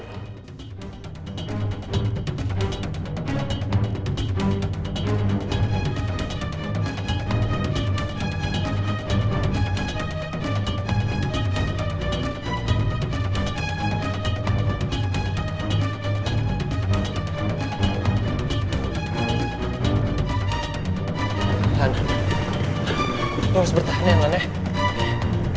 lan lu harus bertahan ya lan